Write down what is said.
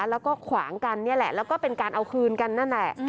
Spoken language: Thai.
แล้วก็ขวางกันนี่แหละแล้วก็เป็นการเอาคืนกันนั่นแหละ